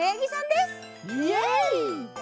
イエイ！